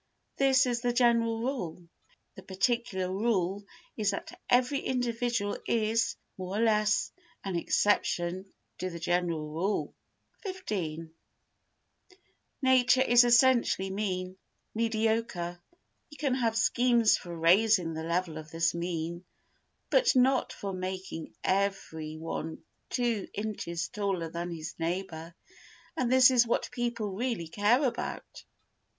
This is the general rule. The particular rule is that every individual is, more or less, an exception to the general rule. xv Nature is essentially mean, mediocre. You can have schemes for raising the level of this mean, but not for making every one two inches taller than his neighbour, and this is what people really care about.